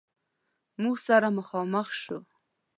موږ سره مخامخ شو.